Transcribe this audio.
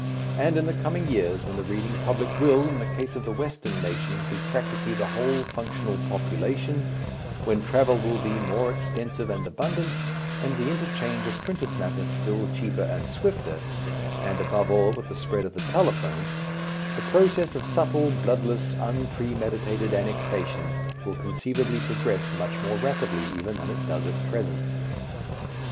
And in the coming years when the reading public will, in the case of the Western nations, be practically the whole functional population, when travel will be more extensive and abundant, and the inter change of printed matter still cheaper and swifter and above all with the spread of the telephone the process of subtle, bloodless, unpremeditated annexation will conceivably progress much more rapidly even than it does at present.